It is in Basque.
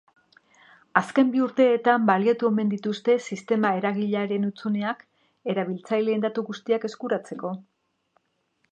Azken bi urteetan baliatu omen dituzte sistema eragilearen hutsuneak erabiltzaileen datu guztiak eskuratzeko.